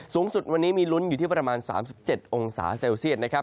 สูงสุดวันนี้มีลุ้นอยู่ที่ประมาณ๓๗องศาเซลเซียตนะครับ